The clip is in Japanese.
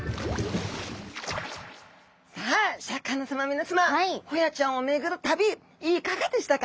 さあシャーク香音さま皆さまホヤちゃんを巡る旅いかがでしたか？